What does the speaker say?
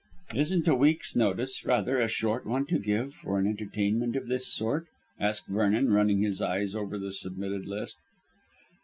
"Isn't a week's notice rather a short one to give for an entertainment of this sort?" asked Vernon, running his eyes over the submitted list.